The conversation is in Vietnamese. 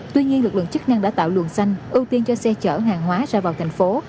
tuy nhiên lực lượng chức năng đã tạo luồng xanh ưu tiên cho xe chở hàng hóa ra vào thành phố